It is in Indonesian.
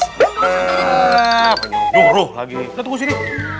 eh apaan ini tuh roh lagi kita tunggu sini